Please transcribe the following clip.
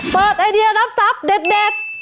เปิดไอเดียรับทรัพย์เด็ด